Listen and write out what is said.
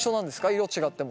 色違っても。